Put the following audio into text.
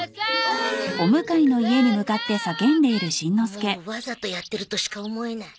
もうわざとやってるとしか思えない。